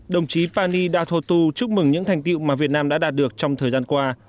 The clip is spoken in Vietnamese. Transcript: đồng chí pani yathotu chúc mừng những thành tiệu mà việt nam đã đạt được trong thời gian qua